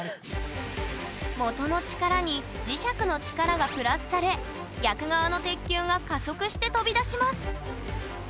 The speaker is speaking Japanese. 元の力に磁石の力がプラスされ逆側の鉄球が加速して飛び出します